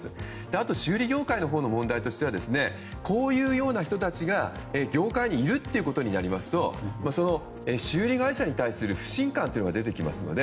あと修理業界の問題としてはこういうような人たちが業界にいるとなりますと修理会社に対する不信感が出てきますよね。